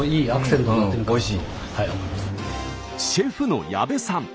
シェフの矢部さん。